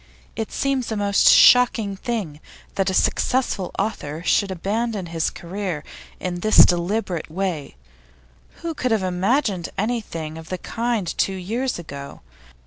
It seems a most shocking thing that a successful author should abandon his career in this deliberate way; who could have imagined anything of the kind two years ago?